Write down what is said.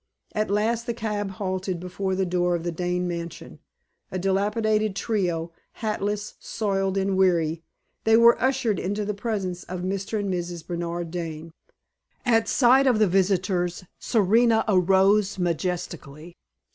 At last the cab halted before the door of the Dane mansion. A dilapidated trio hatless, soiled, and weary they were ushered into the presence of Mr. and Mrs. Bernard Dane. At sight of the visitors, Serena arose majestically.